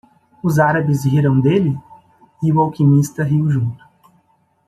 Os árabes riram dele? e o alquimista riu junto.